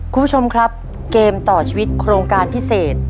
คุณผู้ชมครับเกมต่อชีวิตโครงการพิเศษ